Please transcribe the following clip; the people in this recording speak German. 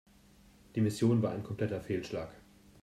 Die Mission war ein kompletter Fehlschlag.